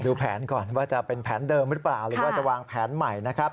ดูแผนก่อนว่าจะเป็นแผนเดิมหรือเปล่าหรือว่าจะวางแผนใหม่นะครับ